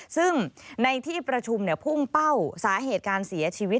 ซึ่งในที่ประชุมพุ่งเป้าสาเหตุการเสียชีวิต